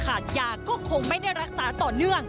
ขาดยาก็คงไม่ได้รักษาต่อเนื่อง